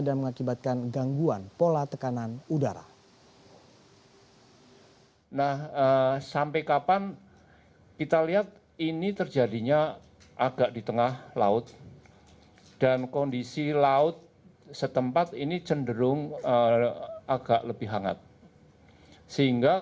dan mengakibatkan gangguan pola tekanan udara